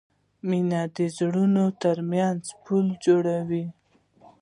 مینه د زړونو ترمنځ پل جوړوي.